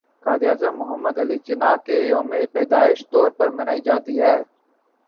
قائد اعظم محمد علی جناح کے يوم پیدائش طور پر منائی جاتى ہے